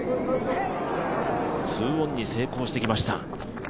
２オンに成功してきました。